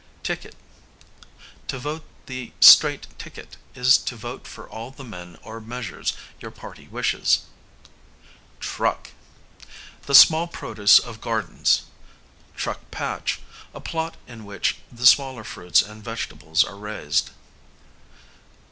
Ticket: to vote the straight ticket is to vote for all the men or measures your party wishes. Truck, the small produce of gardens; truck patch, a plot in which the smaller fruits and vegetables are raised.